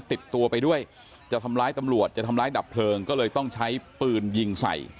ติดตัวไปด้วยจะทำร้ายตำรวจจะทำร้ายดับเพลิงก็เลยต้องใช้ปืนยิงใส่